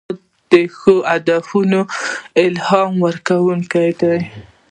استاد د ښو هدفونو الهام ورکوونکی دی.